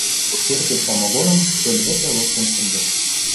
Церпет самогоным стӧл вӹкӹ лыктын шӹндӹш.